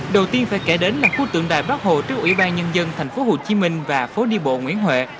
đầu tiên phải kể đến là khu tượng đài bắc hồ trước ủy ban nhân dân thành phố hồ chí minh và phố đi bộ nguyễn huệ